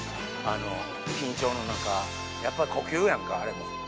緊張の中、やっぱり呼吸やんか、あれも。